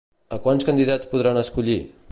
A quants candidats podran escollir?